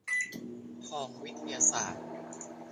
ทองวิทยาศาสตร์